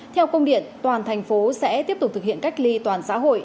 theo công điện toàn thành phố sẽ tiếp tục thực hiện cách ly toàn xã hội